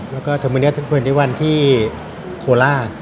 แล้วก็เทอร์มิเนอร์๒๑ที่โคลา